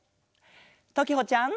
ときほちゃん。